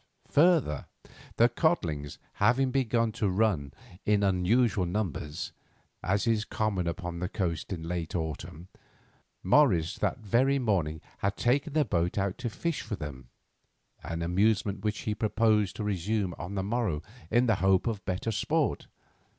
Further, the codlings having begun to run in unusual numbers, as is common upon this coast in late autumn, Morris that very morning had taken the boat out to fish for them, an amusement which he proposed to resume on the morrow in the hope of better sport.